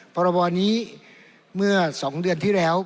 พรบนี้เมื่อ๒เดือนที่แล้ว